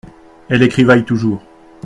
Elle écrivaille toujours.